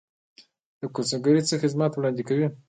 کونسلګرۍ څه خدمات وړاندې کوي؟